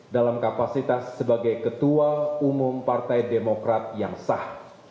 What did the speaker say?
dalam kapasitas sebagai ketua umum partai demokrat yang sah